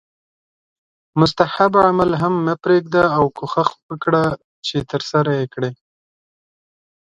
مستحب عمل هم مه پریږده او کوښښ وکړه چې ترسره یې کړې